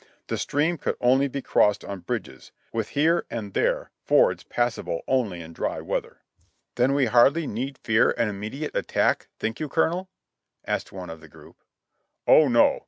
The stream could only be crossed on bridges, with here and there fords pass able only in dry weather." 9 130 JOHNNY REB AND BILI^Y YANK "Then we hardly need fear an immediate attack, think you, Colonel ?" asked one of the group. "Oh, no.